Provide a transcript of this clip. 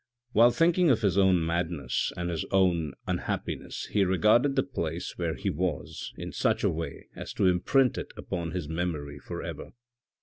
While thinking of his own madness and his own unhappiness he regarded the place where he was, in such a way as to imprint it upon his memory for ever.